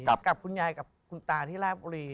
กับคุณยายกับคุณตาที่ราบบุรี